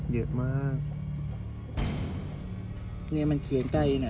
เยอะมากเนี่ยมันเขียนใกล้น่ะ